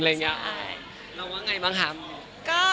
แล้วว่าไงบ้างคะ